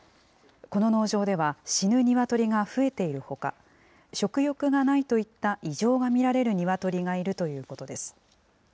この農場では死ぬニワトリが増えているほか、食欲がないといった異常が見られるニワトリがいるということです。